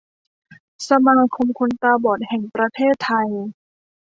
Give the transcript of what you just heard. สมาคมคนตาบอดแห่งประเทศไทย